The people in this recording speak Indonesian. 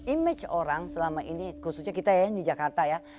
image orang selama ini khususnya kita yang di jakarta ya